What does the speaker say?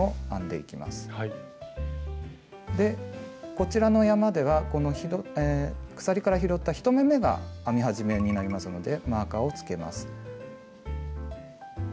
こちらの山では鎖から拾った１目めが編み始めになりますのでマーカーをつけます。